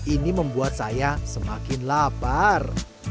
ini membuat saya semakin lapar